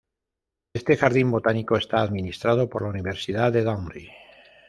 Este jardín botánico está administrado por la Universidad de Dundee.